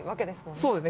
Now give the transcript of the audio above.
そうですね。